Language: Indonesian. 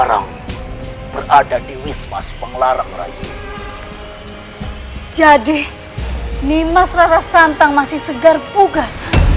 jadi ini mas rata santang masih segar bugar